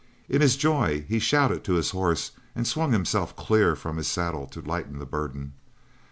In his joy he shouted to his horse, and swung himself clear from his saddle to lighten the burden.